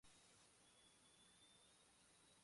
Algunas variantes de este plato llevan carne de pollo.